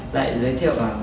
lại giới thiệu bảo